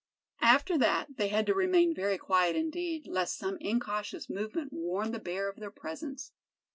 After that they had to remain very quiet indeed, lest some incautious movement warn the bear of their presence.